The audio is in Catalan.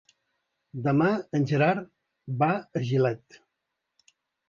Demà en Gerard va a Gilet.